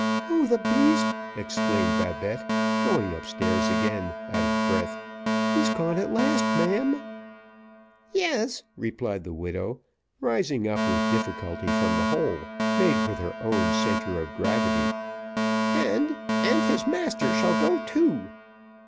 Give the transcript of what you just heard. "O the beast!" exclaimed Babette, going up stairs again, out of breath; "he's gone at last, ma'am." "Yes," replied the widow, rising up with difficulty from the hole made with her own centre of gravity; "and and his master shall go too.